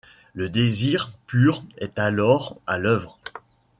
Le désir pur est alors à l’œuvre.